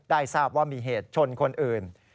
ทราบว่ามีเหตุชนคนอื่น